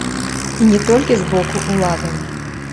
І не толькі з боку ўладаў.